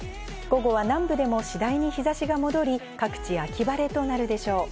午後は南部でも次第に日差しが戻り、各地、秋晴れとなるでしょう。